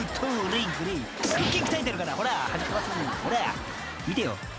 ほら見てよ］